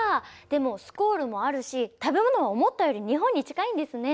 でもスコールもあるし食べ物も思ったより日本に近いんですね。